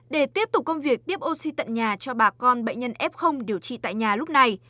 để tiếp tục công việc tiếp oxy tận nhà cho bà con bệnh nhân f điều trị tại nhà lúc này